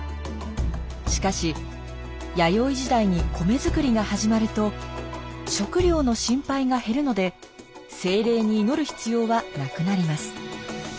しかし弥生時代に米づくりが始まると食料の心配が減るので精霊に祈る必要はなくなります。